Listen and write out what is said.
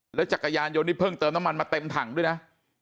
แล้วจักรยานยนต์นี่เพิ่งเติมน้ำมันมาเต็มถังด้วยนะ